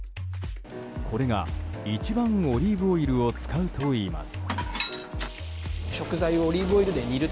これが一番、オリーブオイルを使うといいます。